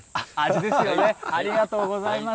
ですよね、ありがとうございます。